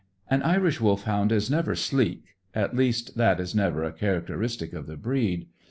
An Irish Wolfhound is never sleek; at least, that is never a characteristic of the breed.